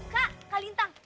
kak kak lintang